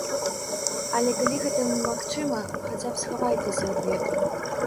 Але, калі гэта немагчыма, хаця б схавайцеся ад ветру.